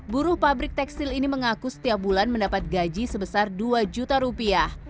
buruh pabrik tekstil ini mengaku setiap bulan mendapat gaji sebesar dua juta rupiah